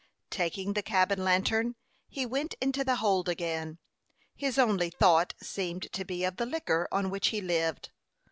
Taking the cabin lantern, he went into the hold again. His only thought seemed to be of the liquor on which he lived.